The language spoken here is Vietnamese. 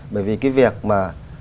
bởi vì cái việc mà